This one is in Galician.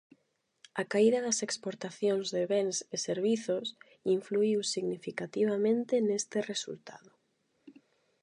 A caída das exportacións de bens e servizos influíu significativamente neste resultado.